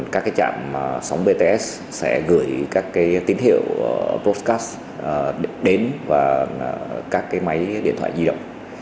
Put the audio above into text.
các trạm sống bts sẽ gửi các tin hiệu broadcast đến các máy điện thoại di động